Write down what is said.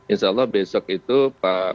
insya allah besok itu pak